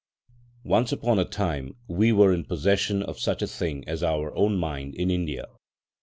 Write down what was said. Once upon a time we were in possession of such a thing as our own mind in India.